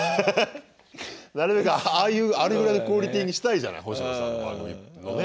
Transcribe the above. なるべくああいうあれぐらいのクオリティーにしたいじゃない星野さんの番組のね。